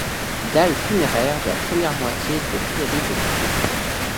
Dalle funéraire de la première moitié du de Ferry de Cudot.